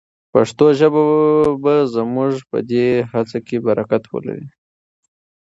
پښتو ژبه به زموږ په دې هڅه کې برکت ولري.